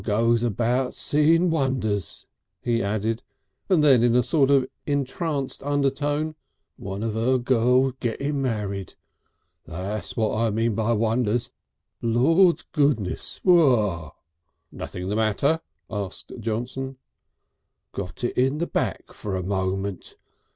"I goes about seeing wonders," he added, and then in a sort of enhanced undertone: "One of 'er girls gettin' married. That's what I mean by wonders. Lord's goodness! Wow!" "Nothing the matter?" asked Johnson. "Got it in the back for a moment.